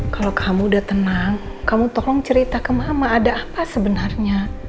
kalau kamu udah tenang kamu tolong cerita ke mama ada apa sebenarnya